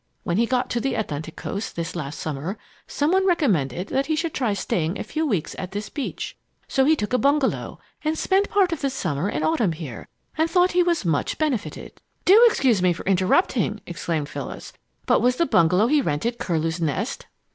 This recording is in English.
When he got to the Atlantic coast, this last summer, some one recommended that he should try staying a few weeks at this beach; so he took a bungalow and spent part of the summer and autumn here, and thought he was much benefited." "Do excuse me for interrupting!" exclaimed Phyllis; "but was the bungalow he rented Curlew's Nest?"